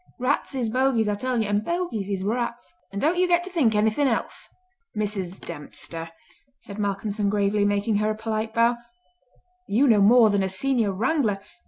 Rats is bogies, I tell you, and bogies is rats; and don't you get to think anything else!" "Mrs. Dempster," said Malcolmson gravely, making her a polite bow, "you know more than a Senior Wrangler!